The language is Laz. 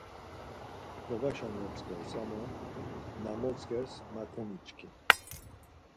T̆ǩobaşa motzǩers ama na motzǩers ma komiçkin.